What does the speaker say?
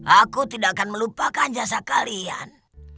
aku tidak akan melupakan jasa kalian